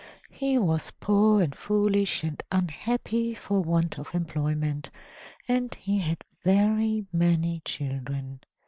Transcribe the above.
He was poor and foolish and unhappy for want of employment, and he had very many children.